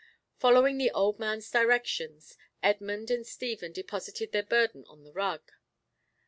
Following the old man's directions, Edmund and Stephen deposited their burden on the rug.